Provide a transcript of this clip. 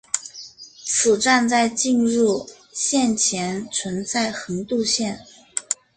此站在进入线前存在横渡线。